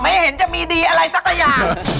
ไม่เห็นจะมีดีอะไรสักอย่าง